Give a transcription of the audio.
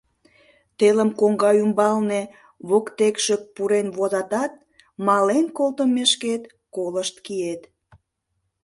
Телым коҥга ӱмбалне воктекше пурен возатат, мален колтымешкет колышт киет.